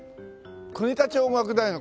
「国立音楽大学」